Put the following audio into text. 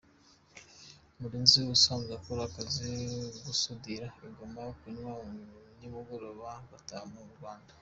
Murenzi ubusanzwe akora akazi ko gusudira i Goma ku manywa, nimugoroba agataha mu Rwanda.